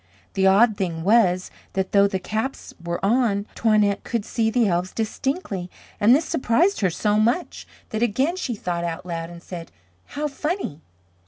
The odd thing was, that though the caps were on, Toinette could see the elves distinctly and this surprised her so much, that again she thought out loud and said, "How funny."